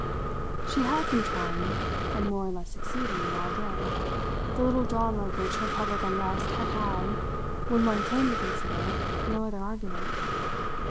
She had been trying, and more or less succeeding, all day: the little drama of her public unrest had had, when one came to consider, no other argument.